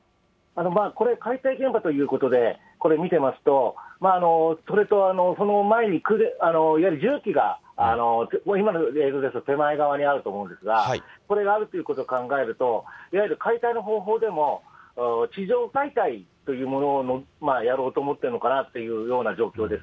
これ、解体現場ということで、これ見てますと、それとその前にいわゆる重機が、今の映像だと手前側にあると思うんですが、これがあるということを考えると、いわゆる解体の方法でも、地上解体というものをやろうと思っているのかなというような状況です。